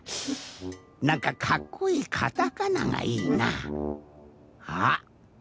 なんかかっこいいカタカナがいいな。